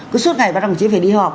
cứ suốt ngày các đồng chí phải đi họp